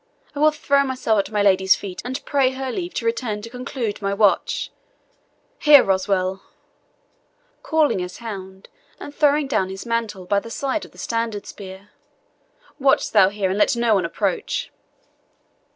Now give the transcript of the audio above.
I will throw myself at my lady's feet, and pray her leave to return to conclude my watch. Here, Roswal" (calling his hound, and throwing down his mantle by the side of the standard spear), "watch thou here, and let no one approach."